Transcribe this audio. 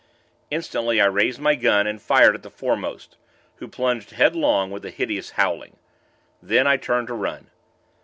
Instantly, I raised my gun and fired at the foremost, who plunged head long, with a hideous howling. Then, I turned to run.